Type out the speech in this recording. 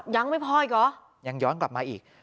ยังไม่พออีกเหรอยังย้อนกลับมาอีก